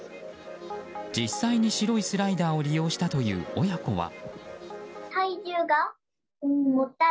実際に白いスライダーを利用したという親子は。